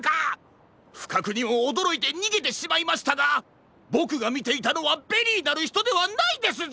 ふかくにもおどろいてにげてしまいましたがボクがみていたのはベリーなるひとではないですぞ！